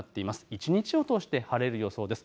一日を通して晴れる予想です。